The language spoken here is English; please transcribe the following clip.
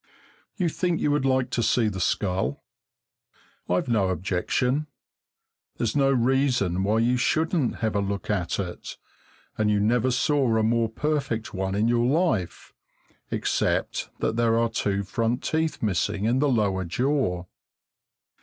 You think you would like to see the skull? I've no objection. There's no reason why you shouldn't have a look at it, and you never saw a more perfect one in your life, except that there are two front teeth missing in the lower jaw.